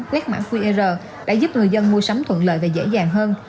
quét mã qr đã giúp người dân mua sắm thuận lợi và dễ dàng hơn